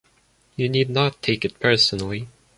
You need not take it personally.